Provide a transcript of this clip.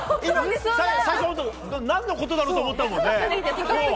何のことだろうと思ったもんね。